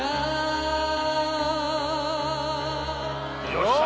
よっしゃ！